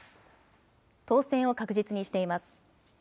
当選を確実にしています。